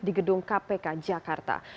di gedung kpk jakarta